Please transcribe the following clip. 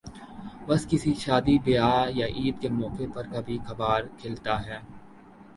بس کسی شادی بیاہ یا عید کے موقع پر کبھی کبھارکھلتا ہے ۔